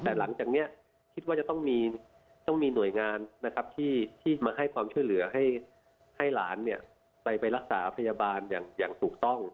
แต่หลังจากนี้คิดว่าจะต้องมีหน่วยงานนะครับที่มาให้ความช่วยเหลือให้หลานไปรักษาพยาบาลอย่างถูกต้อง